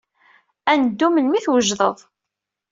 Ad neddu melmi ay t-wejded.